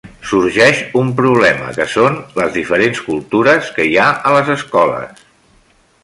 Sorgeix un problema que són les diferents cultures que hi ha a les escoles.